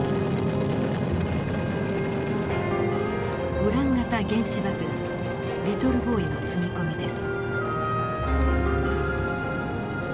ウラン型原子爆弾リトルボーイの積み込みです。